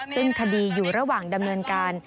ซึ่งคดีอยู่ระหว่างดำเนินการ